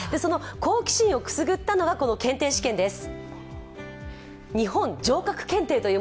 好奇心をくすぐったのは、この検定試験です。